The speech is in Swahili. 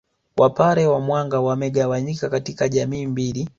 Wapare wa Mwanga wamegawanyika katika jamii mbili